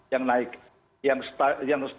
yang naik yang